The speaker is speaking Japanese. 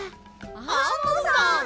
アンモさん！